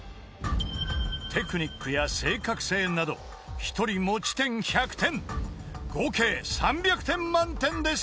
［テクニックや正確性など１人持ち点１００点合計３００点満点で採点］